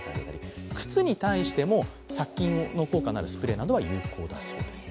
靴に対しても殺菌の効果があるスプレーは有効だそうです。